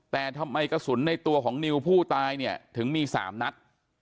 แต่ทำไมกระสุนในตัวของนิวผู้ตายเนี่ยถึงมี๓นัด